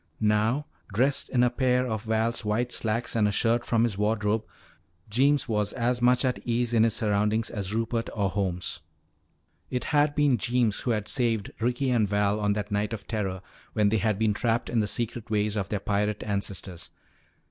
Now, dressed in a pair of Val's white slacks and a shirt from his wardrobe, Jeems was as much at ease in his surroundings as Rupert or Holmes. It had been Jeems who had saved Ricky and Val on that night of terror when they had been trapped in the secret ways of their pirate ancestors.